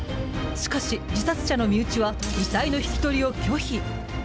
しかし、自殺者の身内は遺体の引き取りを拒否。